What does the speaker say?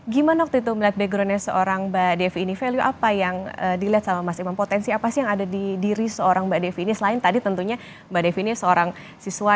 gimana waktu itu melihat backgroundnya seorang mbak devi ini value apa yang dilihat sama mas imam potensi apa sih yang ada di diri seorang mbak devi ini selain tadi tentunya mbak devi ini seorang siswa